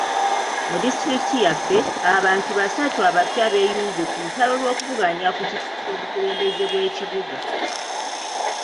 Mu disitulikiti yaffe, abantu basatu abapya beeyunze ku lutalo lw'okuvuganya ku kifo ky'obukulembeze bw'ekibuga.